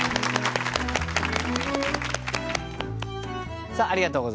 さあありがとうございます。